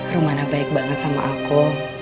rumana baik banget sama aku